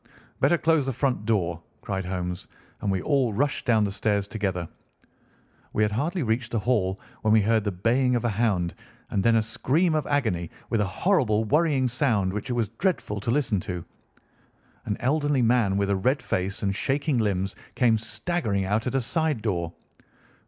"Better close the front door," cried Holmes, and we all rushed down the stairs together. We had hardly reached the hall when we heard the baying of a hound, and then a scream of agony, with a horrible worrying sound which it was dreadful to listen to. An elderly man with a red face and shaking limbs came staggering out at a side door.